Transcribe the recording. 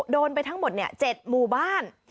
โดนไปทั้งหมด๗หมู่บ้าน